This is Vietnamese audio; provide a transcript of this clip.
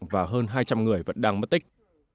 và hơn hai trăm linh người vẫn đang mất tích